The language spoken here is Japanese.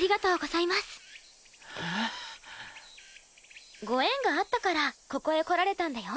えっ？ご縁があったからここへ来られたんだよ。